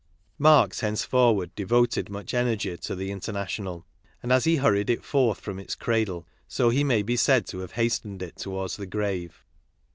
Marx henceforward devoted much energy to the International, and as he hurried it forth from its cradle, so he may be said to have hastened it towards the grave.